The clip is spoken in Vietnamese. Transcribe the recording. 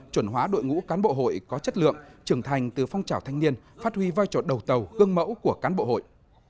chuẩn hóa đội ngũ cán bộ hội có chất lượng trưởng thành từ phong trào thanh niên phát huy vai trò đầu tàu gương mẫu của cán bộ hội